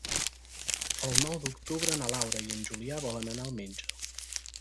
El nou d'octubre na Laura i en Julià volen anar al metge.